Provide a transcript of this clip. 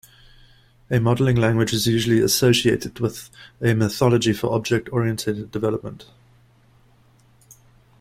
A modeling language is usually associated with a methodology for object-oriented development.